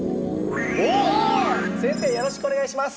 よろしくお願いします！